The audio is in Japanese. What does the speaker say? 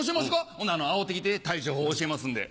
ほんならあおってきて対処法教えますんで。